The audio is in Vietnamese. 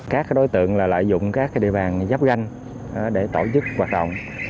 các đối tượng lợi dụng các địa bàn giáp ganh để tổ chức hoạt động